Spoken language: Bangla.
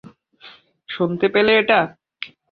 শুনতে পেলে এটা?